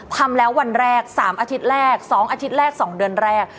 ทำแล้ววันแรก๓อาทิตย์แรก๒อาทิตย์แรก๒เดือนแรก